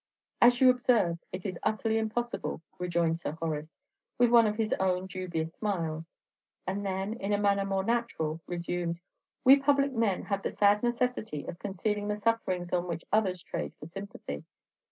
"As you observe, it is utterly impossible," rejoined Sir Horace, with one of his own dubious smiles; and then, in a manner more natural, resumed: "We public men have the sad necessity of concealing the sufferings on which others trade for sympathy.